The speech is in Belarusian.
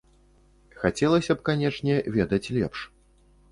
Хацелася б, канечне, ведаць лепш.